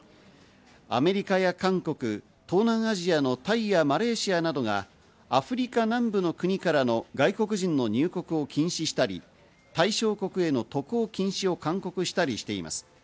アメリカや韓国、東南アジアのタイやマレーシアなどがアフリカ南部の国からの外国人の入国を禁止したり、対象国への渡航禁止を勧告したりしています。